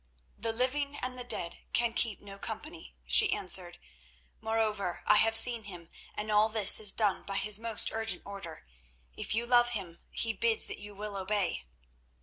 "'The living and the dead can keep no company,' she answered. 'Moreover, I have seen him, and all this is done by his most urgent order. If you love him, he bids that you will obey.